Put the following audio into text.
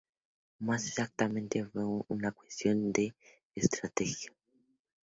Más exactamente, fue una cuestión de estrategia.